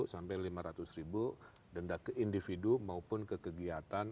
sampai lima ratus ribu denda ke individu maupun ke kegiatan